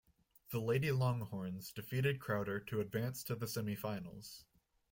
The Lady Longhorns defeated Crowder to advance to the semi-finals.